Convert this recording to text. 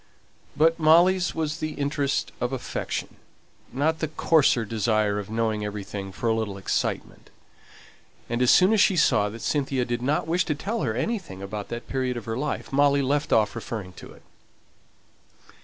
But Molly's was the interest of affection, not the coarser desire of knowing everything for a little excitement; and as soon as she saw that Cynthia did not wish to tell her anything about that period of her life, Molly left off referring to it.